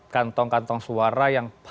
kantong kantong suara yang terlalu banyak